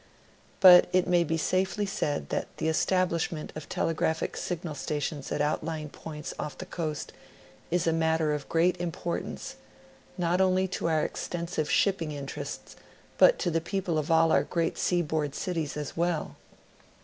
But it maj^ be safely said that the establishment of telegraphic signal stations at out lying points off the coast is a matter of great importance, not only to our extensive shipping interests, but to the people of all our great seaboard cities as well.